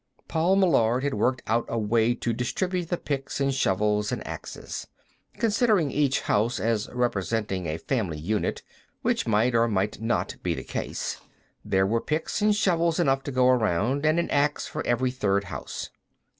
Paul Meillard had worked out a way to distribute the picks and shovels and axes. Considering each house as representing a family unit, which might or might not be the case, there were picks and shovels enough to go around, and an ax for every third house.